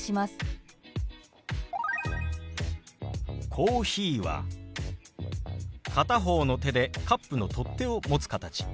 「コーヒー」は片方の手でカップの取っ手を持つ形。